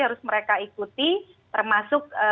harus mereka ikuti termasuk